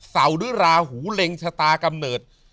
ด้วยราหูเล็งชะตากำเนิด